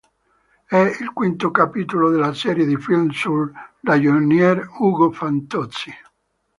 È il quinto capitolo della serie di film sul ragionier Ugo Fantozzi.